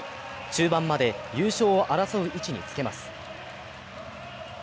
中盤まで優勝を争う位置につけます。